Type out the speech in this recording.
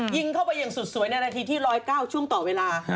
ยิงเข้าไปอย่างสุดสวยในนาทีที่๑๐๙ช่วงต่อเวลา